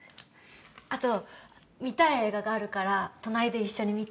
あと見たい映画があるから隣で一緒に見て。